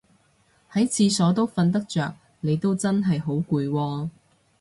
喺廁所都瞓得着你都真係好攰喎